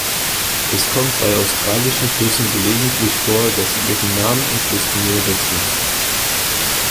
Es kommt bei australischen Flüssen gelegentlich vor, dass sie ihren Namen in Küstennähe wechseln.